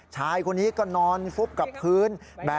ชายคนนี้ก็นอนฟุบกับพื้น